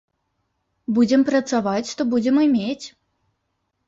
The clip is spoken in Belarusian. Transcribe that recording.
Будзем працаваць, то будзем і мець.